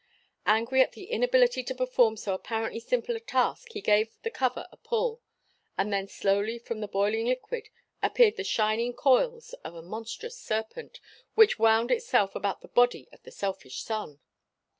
Angry at the inability to perform so apparently simple a task he gave the cover a pull ... and then slowly from the boiling liquid appeared the shining coils of a monstrous serpent, which wound itself about the body of the selfish son!